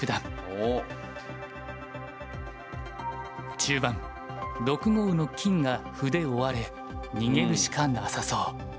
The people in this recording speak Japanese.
中盤６五の金が歩で追われ逃げるしかなさそう。